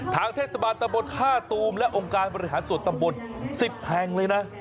ทางเทศบาลตะบนท่าตูมและองค์การบริหารส่วนตำบล๑๐แห่งเลยนะ